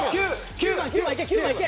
９番いけ９番いけ！